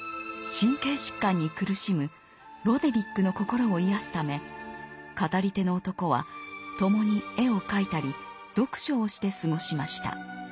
神経疾患に苦しむロデリックの心を癒やすため語り手の男は共に絵を描いたり読書をして過ごしました。